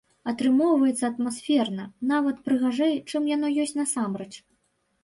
Атрымоўваецца атмасферна, нават прыгажэй, чым яно ёсць насамрэч.